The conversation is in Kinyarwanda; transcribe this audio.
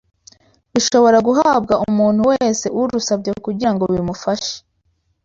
rushobora guhabwa umuntu wese urusabye kugirango bimufashe